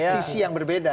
di sisi yang berbeda